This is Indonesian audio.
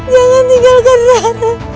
jangan tinggalkan rara